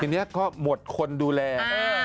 ทีนี้ก็หมดคนดูแล